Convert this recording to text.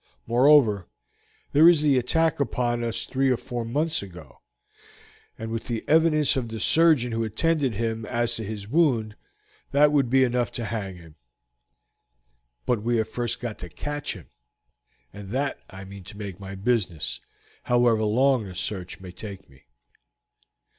Moreover, there is the attack upon us three or four months ago, and with the evidence of the surgeon who attended him as to his wound, that would be enough to hang him. But we have first got to catch him, and that I mean to make my business, however long the search may take me."